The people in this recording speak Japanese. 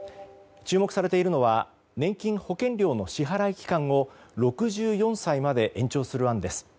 注目されているのは年金保険料の支払期間を６４歳まで延長する案です。